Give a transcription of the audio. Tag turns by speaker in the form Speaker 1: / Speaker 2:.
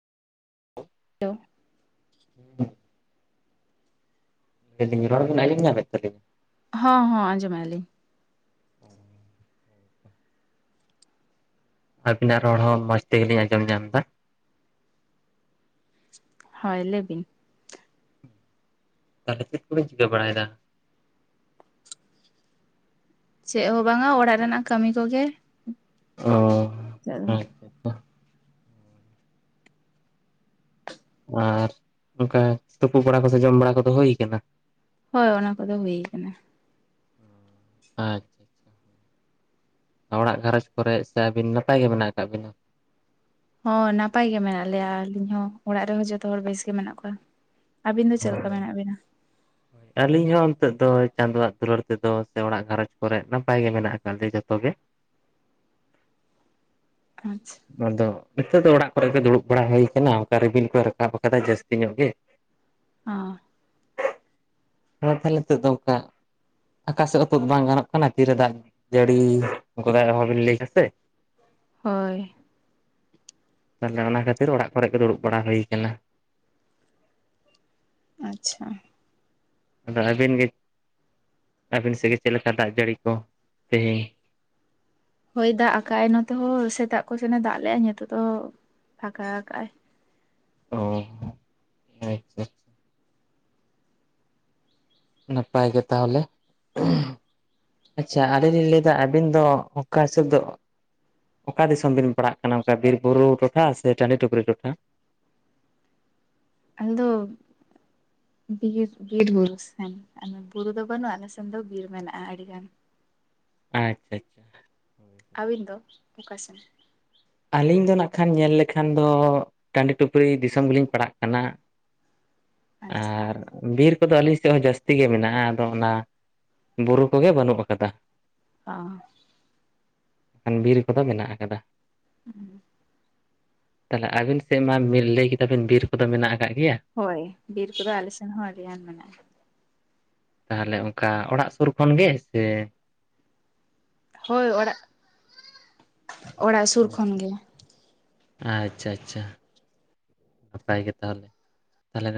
Speaker 1: Hello [inaudible]
Speaker 2: ᱦᱮᱸᱻ ᱾ ᱟᱹᱞᱤᱧ ᱨᱚᱲ ᱵᱤᱱ ᱟᱹᱡᱚᱢ ᱧᱟᱢᱮᱫ ᱛᱟᱹᱞᱤᱧ
Speaker 1: ᱦᱚᱸ ᱦᱚᱸ ᱟᱸᱡᱚᱢᱮᱭᱟᱞᱤᱧ ᱾
Speaker 2: ᱚᱸᱻ ᱟᱵᱤᱱᱟᱜ ᱨᱚᱲ ᱦᱚᱸ ᱢᱚᱸᱡᱽ ᱛᱮᱜᱮᱞᱤᱧ ᱟᱸᱡᱚᱢ ᱧᱟᱢᱫᱟ ᱾
Speaker 1: ᱦᱳᱭ ᱞᱟᱹᱭ ᱵᱤᱱ ᱾
Speaker 2: ᱛᱟᱦᱚᱞᱮ ᱪᱮᱫ ᱠᱚᱵᱤᱱ ᱪᱤᱠᱟᱹ ᱵᱟᱲᱟᱭᱮᱫᱟ?
Speaker 1: ᱪᱮᱫ ᱦᱚᱸ ᱵᱟᱝᱟ ᱚᱲᱟᱜ ᱨᱮᱱᱟᱜ ᱠᱟᱹᱢᱤ ᱠᱚᱜᱮ ᱾
Speaker 2: ᱚ ᱟᱪᱷᱟ ᱟᱪᱷᱟ ᱾ ᱟᱨ ᱚᱱᱠᱟ ᱛᱩᱯᱩ ᱵᱟᱲᱟ ᱠᱚ ᱥᱮ ᱡᱚᱢ ᱵᱟᱲᱟ ᱠᱚᱫᱚ ᱦᱩᱭ ᱟᱠᱟᱱᱟ?
Speaker 1: ᱦᱳᱭ ᱚᱱᱟ ᱠᱚᱫᱚ ᱦᱩᱭ ᱟᱠᱟᱱᱟ ᱾
Speaker 2: [unintelligible] ᱚᱲᱟᱜ ᱜᱷᱟᱨᱚᱸᱡᱽ ᱠᱚᱨᱮ ᱥᱮ ᱟᱹᱵᱤᱱ ᱱᱟᱯᱟᱭ ᱜᱮ ᱢᱮᱱᱟᱜ ᱟᱠᱟᱫ ᱵᱤᱱᱟ?
Speaker 1: ᱦᱚᱸ ᱱᱟᱯᱟᱭ ᱜᱮ ᱢᱮᱱᱟᱜ ᱞᱮᱭᱟ, ᱟᱹᱞᱤᱧ ᱦᱚᱸ ᱚᱲᱟᱜ ᱨᱮᱦᱚᱸ ᱡᱚᱛᱚ ᱦᱚᱲ ᱵᱮᱥ ᱜᱮ ᱢᱮᱱᱟᱜ ᱠᱚᱣᱟ ᱾ ᱟᱹᱵᱤᱱ ᱫᱚ ᱪᱮᱫ ᱞᱮᱠᱟ ᱢᱮᱱᱟᱜ ᱵᱤᱱᱟ?
Speaker 2: ᱟᱹᱞᱤᱧ ᱦᱚᱸ ᱱᱤᱛᱚᱜ ᱫᱚ ᱪᱟᱸᱫᱳᱣᱟᱜ ᱫᱩᱞᱟᱹᱲ ᱛᱮᱫᱚ ᱥᱮ ᱚᱲᱟᱜ ᱜᱷᱟᱸᱨᱚᱡᱽ ᱠᱚᱨᱮ ᱱᱟᱯᱟᱭ ᱜᱮ ᱢᱮᱱᱟᱜ ᱠᱟᱜ ᱞᱮᱭᱟ ᱡᱚᱛᱚ ᱜᱮ
Speaker 1: ᱟᱪᱪᱷᱟ
Speaker 2: ᱟᱫᱚ ᱱᱤᱛᱚᱜ ᱫᱚ ᱚᱲᱟᱜ ᱠᱚᱨᱮᱜᱮ ᱫᱩᱲᱩᱵ ᱵᱟᱲᱟ ᱦᱩᱭ ᱟᱠᱟᱱᱟ, ᱚᱱᱠᱟ ᱨᱤᱢᱤᱞ ᱠᱚ ᱨᱟᱠᱟᱵ ᱟᱠᱟᱫᱟᱭ ᱡᱟᱹᱥᱛᱤ ᱧᱚᱜ ᱜᱮ ᱾
Speaker 1: ᱚ ᱾
Speaker 2: ᱦᱚᱸ ᱛᱟᱦᱚᱞᱮ ᱱᱤᱛᱚᱜ ᱫᱚ ᱚᱝᱠᱟ ᱼᱼ ᱟᱠᱟᱥᱮᱫ ᱦᱚᱸ ᱛᱳᱫ ᱵᱟᱝ ᱜᱟᱱᱚᱜ ᱠᱟᱱᱟ ᱛᱤᱨᱮ ᱫᱟᱜ ᱡᱟᱹᱲᱤ ᱜᱚᱫᱟᱭ ᱟᱨᱦᱚᱸ ᱵᱤᱱ ᱞᱟᱹᱭ ᱠᱟᱛᱮ
Speaker 1: ᱦᱳᱭ ᱾
Speaker 2: ᱛᱟᱦᱚᱞᱮ ᱚᱱᱟ ᱠᱷᱟᱹᱛᱤᱨ ᱚᱲᱟᱜ ᱠᱚᱨᱮ ᱜᱮ ᱫᱩᱲᱩᱵ ᱵᱟᱲᱟ ᱦᱩᱭ ᱟᱠᱟᱱᱟ ᱾
Speaker 1: ᱟᱪᱪᱷᱟ ᱾
Speaker 2: ᱟᱫᱚ ᱟᱹᱵᱤᱱ ᱜᱮ, ᱟᱹᱵᱤᱱ ᱥᱮᱫ ᱜᱮ ᱪᱮᱫ ᱞᱮᱠᱟ ᱫᱟᱜ ᱡᱟᱹᱲᱤ ᱠᱚ ᱛᱮᱦᱮᱧ?
Speaker 1: ᱦᱳᱭ ᱫᱟᱜ ᱟᱠᱟᱜᱼ ᱟᱭ ᱱᱚᱛᱮ ᱦᱚᱸ, ᱥᱮᱛᱟᱜ ᱠᱚ ᱥᱮᱱᱮ ᱫᱟᱜ ᱞᱮᱜᱼᱟᱭ ᱱᱮᱛᱚᱜ ᱫᱚ ᱯᱷᱟᱸᱠᱟ ᱟᱠᱟᱜ ᱟᱭ ᱾
Speaker 2: ᱚ ᱟᱪᱪᱷᱟ ᱾ ᱱᱟᱯᱟᱭ ᱜᱮ ᱛᱟᱦᱚᱞᱮ ᱾ ᱟᱪᱪᱷᱟ ᱟᱹᱞᱤᱧ ᱞᱤᱧ ᱞᱟᱹᱭ ᱮᱫᱟ ᱟᱹᱵᱤᱱ ᱫᱚ ᱚᱝᱠᱟ ᱦᱤᱥᱟᱹᱵᱽ ᱫᱚ ᱼᱼ ᱚᱠᱟ ᱫᱤᱥᱚᱢ ᱵᱤᱱ ᱯᱟᱲᱟᱜ ᱠᱟᱱᱟ? ᱚᱱᱠᱟ ᱵᱤᱨ ᱵᱩᱨᱩ ᱴᱚᱴᱷᱟ ᱥᱮ ᱴᱟᱺᱰᱤ ᱴᱩᱠᱨᱤ ᱴᱚᱴᱷᱟ?
Speaker 1: ᱟᱞᱮᱫᱚᱼᱼ ᱵᱤᱨ ᱵᱤᱨ ᱵᱩᱨᱩ ᱥᱮᱱ ᱟᱫᱚ ᱵᱩᱨᱩ ᱫᱚ ᱵᱟᱹᱱᱩᱜᱼᱟ, ᱟᱞᱮ ᱥᱮᱱ ᱫᱚ ᱵᱤᱨ ᱢᱮᱱᱟᱜᱼᱟ ᱟᱹᱰᱤᱜᱟᱱ ᱾ [inaudible]
Speaker 2: ᱟᱪᱪᱷᱟ ᱟᱪᱷᱟ ᱾
Speaker 1: ᱟᱹᱵᱤᱱ ᱫᱚ ᱚᱠᱟ ᱥᱮᱱ?
Speaker 2: ᱟᱹᱞᱤᱧ ᱫᱚ ᱱᱟᱜ ᱠᱷᱟᱱ ᱧᱮᱞ ᱞᱮᱠᱷᱟᱱ ᱫᱚ ᱴᱟᱺᱰᱤ ᱴᱩᱠᱨᱤ ᱫᱤᱥᱚᱢ ᱜᱮᱞᱤᱧ ᱯᱟᱲᱟᱜ ᱠᱟᱱᱟ ᱾
Speaker 1: ᱟᱪᱪᱷᱟ ᱾
Speaker 2: ᱵᱤᱨ ᱠᱚᱫᱚ ᱟᱹᱞᱤᱧ ᱥᱮᱫ ᱦᱚᱸ ᱡᱟᱹᱥᱛᱤ ᱜᱮ ᱢᱮᱱᱟᱜᱼᱟ, ᱟᱫᱚ ᱚᱱᱟᱼᱼ ᱵᱩᱨᱩ ᱠᱚᱜᱮ ᱵᱟᱹᱱᱩᱜ ᱟᱠᱟᱫᱟ ᱾
Speaker 1: ᱚᱼᱼ
Speaker 2: ᱠᱷᱟᱱ ᱵᱤᱨ ᱠᱚᱫᱚ ᱢᱮᱱᱟᱜ ᱟᱠᱟᱫᱟ ᱾
Speaker 1: [inaudible]
Speaker 2: ᱛᱟᱦᱚᱞᱮ ᱟᱵᱤᱱ ᱥᱮᱫ ᱢᱟ ᱵᱤᱱ ᱞᱟᱹᱭ ᱠᱮᱫᱟᱵᱤᱱ ᱵᱤᱨ ᱠᱚᱫᱚ ᱢᱮᱱᱟᱜ ᱟᱠᱟᱜ ᱜᱮᱭᱟ ᱾
Speaker 1: ᱦᱚᱭ ᱵᱤᱨ ᱠᱚᱫᱚ ᱟᱞᱮᱥᱮᱱ ᱦᱚᱸ ᱟᱹᱰᱤ ᱜᱟᱱ ᱢᱮᱱᱟᱜᱼᱟ ᱾
Speaker 2: ᱛᱟᱦᱚᱞᱮ ᱚᱱᱠᱟ ᱚᱲᱟᱜ ᱥᱩᱨ ᱠᱷᱚᱱ ᱜᱮ ᱥᱮ?
Speaker 1: ᱦᱳᱭ ᱚᱲᱟᱜ, ᱚᱲᱟᱜ ᱥᱩᱨ ᱠᱷᱚᱱ ᱜᱮ ᱾
Speaker 2: ᱟᱪᱪᱷᱟ ᱟᱪᱪᱷᱟ ᱱᱟᱯᱟᱭ ᱜᱮ ᱛᱟᱦᱚᱞᱮ ᱾